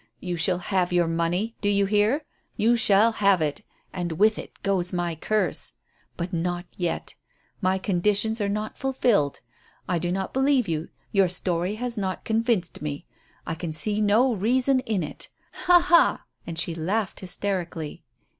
You shall have your money; do you hear? You shall have it, and with it goes my curse. But not yet. My conditions are not fulfilled. I do not believe you; your story has not convinced me; I can see no reason in it. Ha, ha!" and she laughed hysterically.